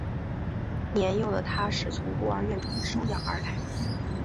年幼的他是从孤儿院中被收养而来。